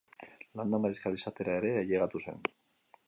Landa-mariskal izatera ere ailegatu zen.